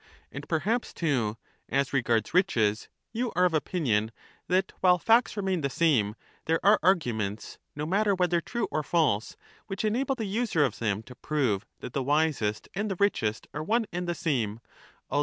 And per haps, too, as regards riches you are of opinion that while facts remain the same, there are arguments, no matter whether true or false, which enable the user of them to prove that the wisest and the richest are one and the same, although 1 Cp.